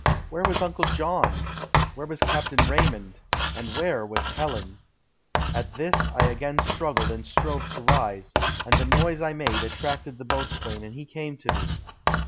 Where was Uncle John, where was Captain Raymond, and where was Helen? At this I again struggled and strove to rise, and the noise I made attracted the boatswain and he came to me.